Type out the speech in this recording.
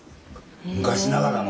昔ながらの。